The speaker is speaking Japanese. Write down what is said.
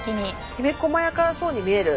きめこまやかそうに見える。